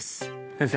先生